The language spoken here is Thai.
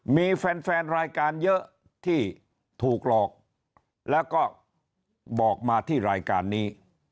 มีแฟนรายการเยอะที่ถูกหลอกแล้วก็บอกมาที่รายการนี้